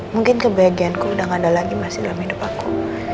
mungkin ke bagianku udah gak ada lagi masih dalam hidup aku